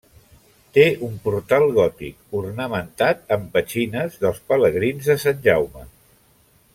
Té un portal gòtic, ornamentat amb petxines dels pelegrins de Sant Jaume.